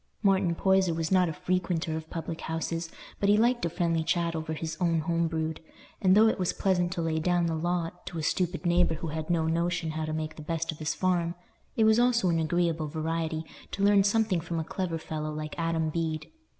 Martin Poyser was not a frequenter of public houses, but he liked a friendly chat over his own home brewed; and though it was pleasant to lay down the law to a stupid neighbour who had no notion how to make the best of his farm, it was also an agreeable variety to learn something from a clever fellow like Adam Bede.